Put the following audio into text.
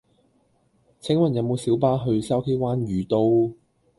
請問有無小巴去筲箕灣譽都